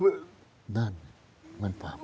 ลุงเอี่ยมอยากให้อธิบดีช่วยอะไรไหม